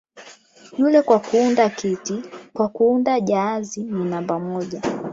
"Yule kwa kuunda kiti, kwa kuunda jahazi ni namba moja"